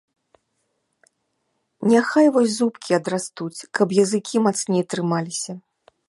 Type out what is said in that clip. Няхай вось зубкі адрастуць, каб языкі мацней трымаліся!